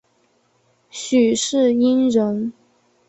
许世英人。